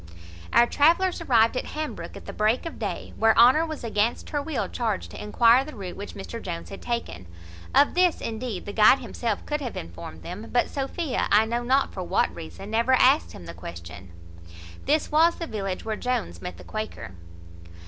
Our travellers arrived at Hambrook[*] at the break of day, where Honour was against her will charged to enquire the route which Mr Jones had taken. Of this, indeed, the guide himself could have informed them; but Sophia, I know not for what reason, never asked him the question. [*] This was the village where Jones met the Quaker.